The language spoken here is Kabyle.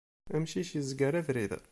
Amcic yezger abrid.